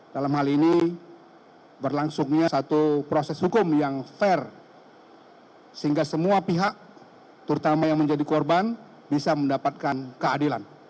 dalam hal ini berlangsungnya satu proses hukum yang fair sehingga semua pihak terutama yang menjadi korban bisa mendapatkan keadilan